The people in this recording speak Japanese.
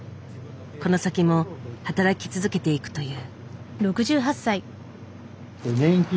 この先も働き続けていくという。